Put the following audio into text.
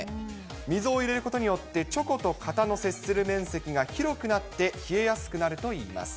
溝を入れることによって、チョコと型の接する面積が広くなって、冷えやすくなるといいます。